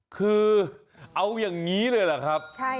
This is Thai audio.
คือเอายังงี้เลยเหรอครับ